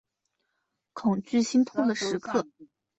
恐惧心痛的时刻